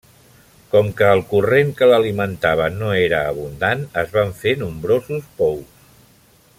Com que el corrent que l'alimentava no era abundant, es van fer nombrosos pous.